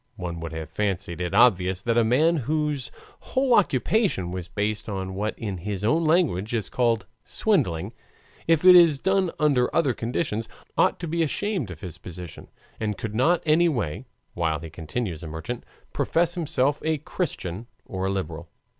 One would have fancied it obvious that a man whose whole occupation was based on what in his own language is called swindling, if it is done under other conditions, ought to be ashamed of his position, and could not any way, while he continues a merchant, profess himself a Christian or a liberal.